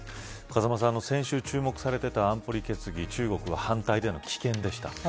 風間さん、先週注目されていた安保理決議中国は棄権で反対でした。